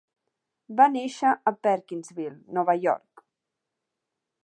Va néixer a Perkinsville, Nova York.